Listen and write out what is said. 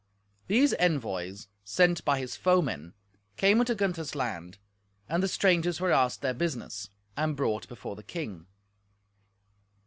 These envoys, sent by his foemen, came into Gunther's land, and the strangers were asked their business, and brought before the king.